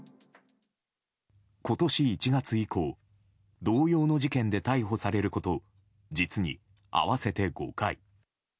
今年１月以降、同様の事件で逮捕されること実に合わせて５回。